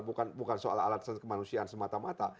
bukan soal alasan kemanusiaan semata mata